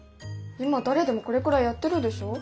今誰でもこれくらいやってるでしょ？